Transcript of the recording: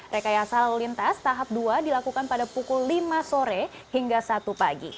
rekayasa lalu lintas tahap dua dilakukan pada pukul lima sore hingga satu pagi